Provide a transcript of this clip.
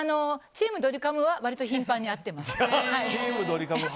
チームドリカムは割と頻繁に会ってます。